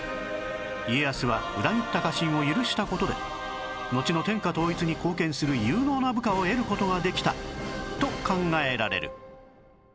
家康は裏切った家臣を許した事でのちの天下統一に貢献する有能な部下を得る事ができたと考えられる